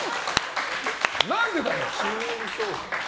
何でだよ！